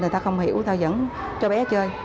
người ta không hiểu ta dẫn cho bé chơi